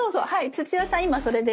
土屋さん今それです。